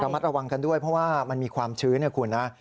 มัดระวังกันด้วยเพราะว่ามันมีความชื้นนะคุณนะ